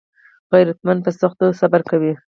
غیرتمند په سختیو صبر کوي